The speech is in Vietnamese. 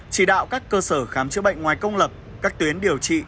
chỉ đạo các cơ sở khám chữa bệnh ngoài công lập các tuyến điều trị